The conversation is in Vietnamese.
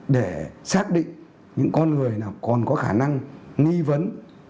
để xác định những con người nào còn có khả năng nghi vấn